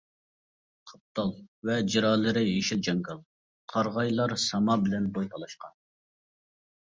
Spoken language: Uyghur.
قاپتال ۋە جىرالىرى يېشىل جاڭگال ، قارىغايلار ساما بىلەن بوي تالاشقان .